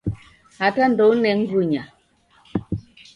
Hata ndoune ngunya.